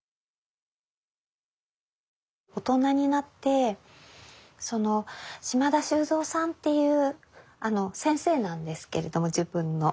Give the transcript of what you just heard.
大人になって島田修三さんっていう先生なんですけれども自分の。